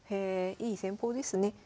いい戦法ですね。